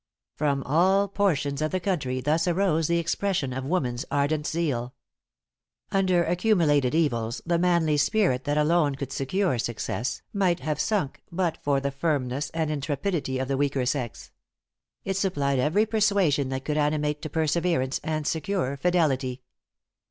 From all portions of the country thus arose the expression of woman's ardent zeal. Under accumulated evils the manly spirit that alone could secure success, might have sunk but for the firmness and intrepidity of the weaker sex. It supplied every persuasion that could animate to perseverance, and secure fidelity.